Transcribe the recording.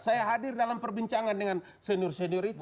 saya hadir dalam perbincangan dengan senior senior itu